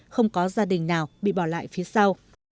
không có gia đình nào bị bỏ lại phía sau